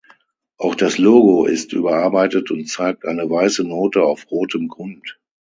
Auch das Logo ist überarbeitet und zeigt eine weiße Note auf rotem Grund.